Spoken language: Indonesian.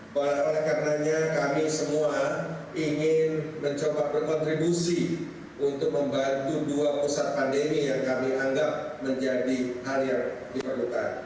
oleh karenanya kami semua ingin mencoba berkontribusi untuk membantu dua pusat pandemi yang kami anggap menjadi hal yang diperlukan